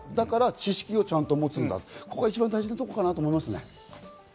だから知識をちゃんと持つんだ、ここが一番大事なところかなと思いますね。